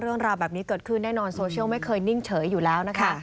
เรื่องราวแบบนี้เกิดขึ้นแน่นอนโซเชียลไม่เคยนิ่งเฉยอยู่แล้วนะคะ